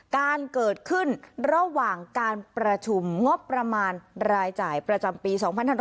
การเกิดขึ้นระหว่างการประชุมงบประมาณรายจ่ายประจำปี๒๕๖๒